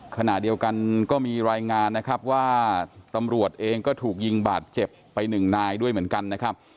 ขณะเดียวกันก็มีรายงานนะครับว่าตำรวจเองก็ถูกยิงบาดเจ็บไปหนึ่งนายด้วยเหมือนกันนะครับ